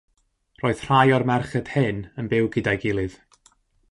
Roedd rhai o'r merched hyn yn byw gyda'i gilydd.